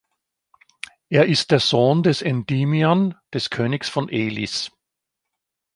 Er ist der Sohn des Endymion, des Königs von Elis.